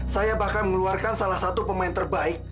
saya bahkan mengeluarkan salah satu pemain terbaik